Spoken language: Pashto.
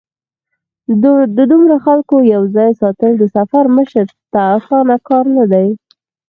د دومره خلکو یو ځای ساتل د سفر مشر ته اسانه کار نه دی.